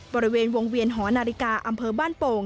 บริเวณวงเวียนหอนาฬิกาอำเภอบ้านโป่ง